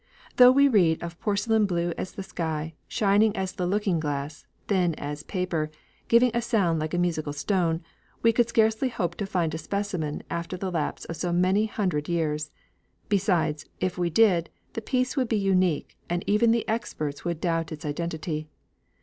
Though we read of porcelain blue as the sky, shining as the looking glass, thin as paper, giving a sound like a musical stone, we could scarcely hope to find a specimen after the lapse of so many hundred years. Besides, if we did, the piece would be unique and even the experts would doubt its identity.